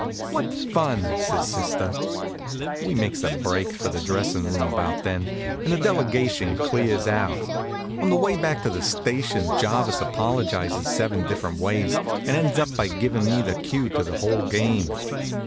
"What fun!" says sister. We makes a break for the dressin' room about then, and the delegation clears out. On the way back to the station Jarvis apologizes seven different ways, and ends up by givin' me the cue to the whole game.